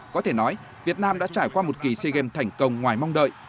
có thể nói việt nam đã trải qua một kỳ sea games thành công ngoài mong đợi